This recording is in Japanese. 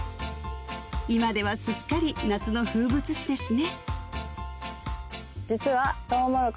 今ではすっかり夏の風物詩ですね